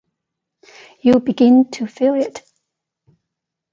You begin to feel it.